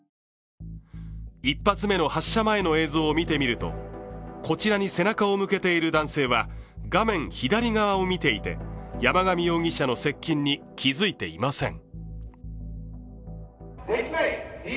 １発目の発射前の映像を見てみるとこちらに背中を向けている男性は画面左側を見ていて山上容疑者の接近に気付いていません。